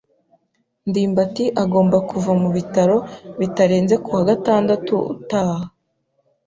ndimbati agomba kuva mu bitaro bitarenze kuwa gatandatu utaha.